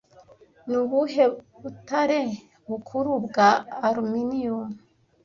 Ni ubuhe butare bukuru bwa aluminium